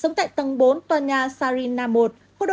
sống tại tầng bốn tòa nhà